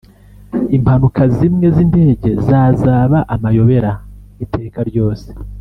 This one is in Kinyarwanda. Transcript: impanuka zimwe z’indege zazaba amayobera iteka ryose